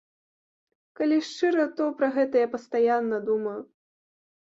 Калі шчыра, то пра гэта я пастаянна думаю.